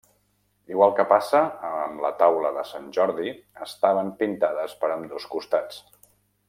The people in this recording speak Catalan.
Igual que passa amb la taula de Sant Jordi, estaven pintades per ambdós costats.